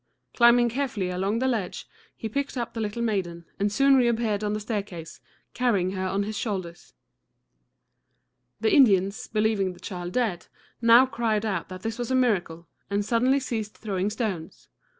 Climbing carefully along the ledge, he picked up the little maiden, and soon reappeared on the staircase, carrying her on his shoulder. The Indians, believing the child dead, now cried out that this was a miracle, and suddenly ceased throwing stones.